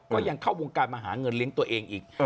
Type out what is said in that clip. ก็ยังเข้าวงการมาหาเงินเลี้ยงตัวเองอีก